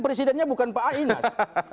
presidennya bukan pak ainas